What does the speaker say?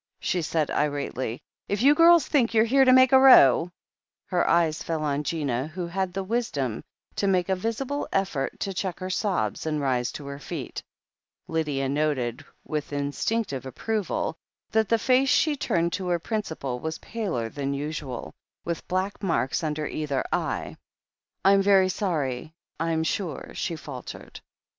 *' she asked irately. "H you girls think you're here to make a row " Her eye fell on Gina, who had the wisdom to make a visible effort to check her sobs and rise to her feet. Lydia noted, with instinctive approval, that the face she turned to her principal was paler than usual, with black marks under either eye. "I'm very sorry, I'm sure," she faltered.